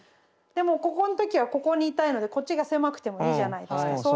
でもここの時はここにいたいのでこっちが狭くてもいいじゃないですか。